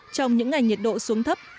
trong những ngày nhiệt độ xuống thấp